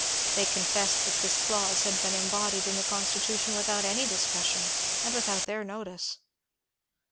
They confessed that this clause had been embodied in the Constitution without any discus sion and without their notice.